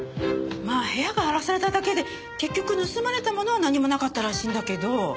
まあ部屋が荒らされただけで結局盗まれたものは何もなかったらしいんだけど。